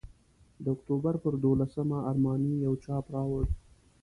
د اکتوبر پر دوولسمه ارماني یو چاپ راوړ.